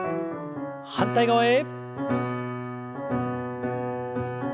反対側へ。